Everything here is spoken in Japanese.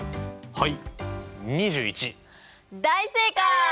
はい。